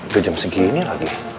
udah jam segini lagi